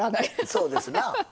そうですなぁ。